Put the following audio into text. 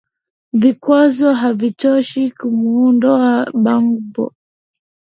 vikwazo havitoshi kumuondoa bagbo